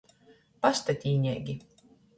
Pastatīneigi.